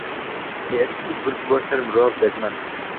ھێرشی گورگ بۆسەر مرۆڤ دەگمەنە